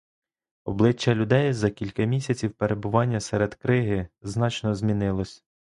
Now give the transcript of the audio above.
Обличчя людей за кілька місяців перебування серед криги значно змінилися.